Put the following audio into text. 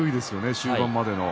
終盤までの。